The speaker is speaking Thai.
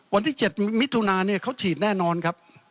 วันที่๗มิถุนาเนี่ยเขาฉีดแน่นอนครับ